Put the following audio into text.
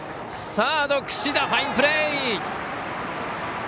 サードの櫛田、ファインプレー！